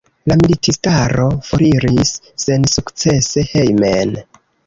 La militistaro foriris sensukcese hejmen.